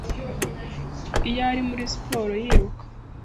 iyo ari muri siporo yiruka